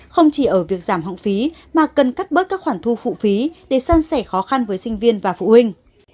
không chỉ ở việc giảm học phí mà cần cắt bớt các khoản thu phụ phí để san sẻ khó khăn với sinh viên và phụ huynh